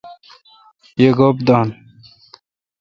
یی گوپ دان۔